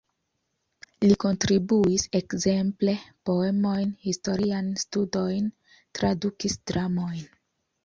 Li kontribuis ekzemple poemojn, historiajn studojn, tradukis dramojn.